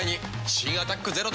新「アタックＺＥＲＯ」